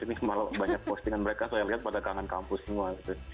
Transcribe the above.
ini malah banyak postingan mereka saya lihat pada kangen kampus semua gitu